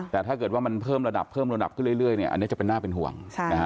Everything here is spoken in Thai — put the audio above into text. แต่ถ้าเกิดว่ามันเพิ่มระดับเรื่อยอันนี้จะเป็นหน้าเป็นห่วง